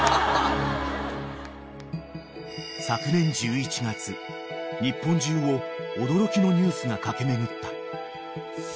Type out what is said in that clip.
［昨年１１月日本中を驚きのニュースが駆け巡った］